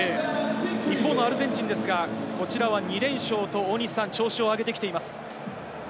一方のアルゼンチンですが、こちら、２連勝と調子を上げてきています。